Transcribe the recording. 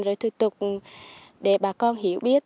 rồi thủ tục để bà con hiểu biết